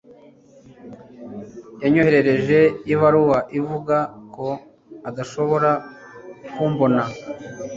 Yanyoherereje ibaruwa ivuga ko adashobora kumbona